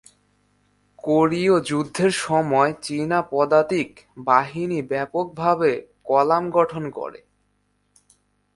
কোরীয় যুদ্ধের সময় চীনা পদাতিক বাহিনী ব্যাপকভাবে কলাম গঠন করে।